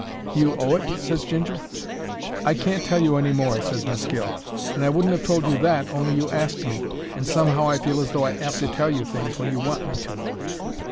"Do you owe it?" ses Ginger. "I can't tell you any more," ses Miss Gill, "and I wouldn't 'ave told you that only you asked me, and somehow I feel as though I 'ave to tell you things, when you want me to."